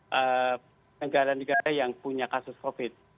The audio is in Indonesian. mau dituju dari negara negara yang punya kasus covid sembilan belas